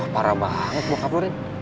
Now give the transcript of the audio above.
parah banget bokap lo rin